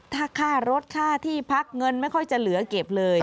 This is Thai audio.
ถ้าค่ารถค่าที่พักเงินไม่ค่อยจะเหลือเก็บเลย